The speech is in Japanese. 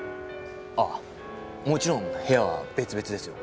ああもちろん部屋は別々ですよ。